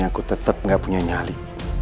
aku tetap gak punya nyali